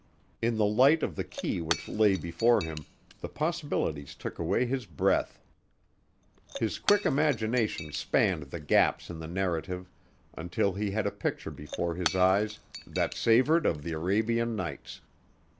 In the light of the key which lay before him, the possibilities took away his breath. His quick imagination spanned the gaps in the narrative until he had a picture before his eyes that savored of the Arabian Nights.